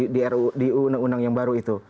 di undang undang yang baru itu